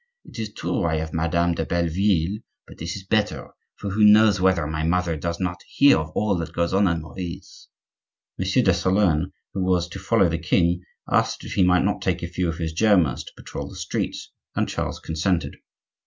It is true, I have Madame de Belleville, but this is better; for who knows whether my mother does not hear of all that goes on at Marie's?" Monsieur de Solern, who was to follow the king, asked if he might not take a few of his Germans to patrol the streets, and Charles consented.